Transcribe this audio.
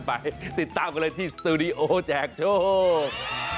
ไปติดตามกันเลยที่สตูดิโอแจกโชค